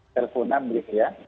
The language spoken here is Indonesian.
teleponan begitu ya